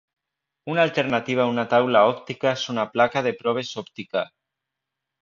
Una alternativa a una taula òptica és una placa de proves òptica.